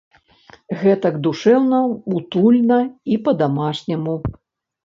Гэтак душэўна, утульна і па-дамашняму.